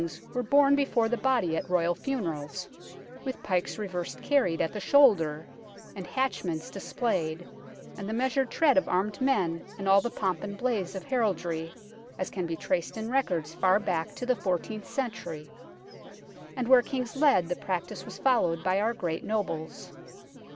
WAXWORKS IN THE ABBEY 193 were borne before the body at Royal funerals, with pikes reversed carried at the shoulder, and hatchments displayed, and the measured tread of armed men and all the pomp and blaze of heraldry, as can be traced in records far back to the fourteenth century. And where Kings led, the practice was followed by our great nobles.